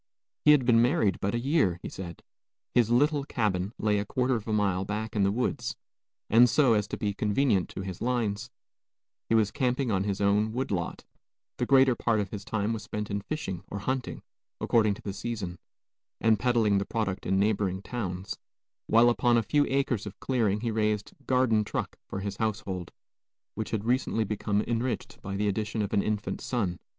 He had been married but a year, he said; his little cabin lay a quarter of a mile back in the woods, and, so as to be convenient to his lines, he was camping on his own wood lot; the greater part of his time was spent in fishing or hunting, according to the season, and peddling the product in neighboring towns, while upon a few acres of clearing he raised "garden truck" for his household, which had recently become enriched by the addition of an infant son.